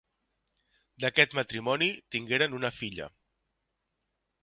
D'aquest matrimoni tingueren una filla.